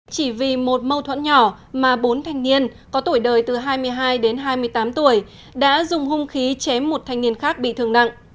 chỉ vì một mâu thuẫn nhỏ mà bốn thanh niên có tuổi đời từ hai mươi hai đến hai mươi tám tuổi đã dùng hung khí chém một thanh niên khác bị thương nặng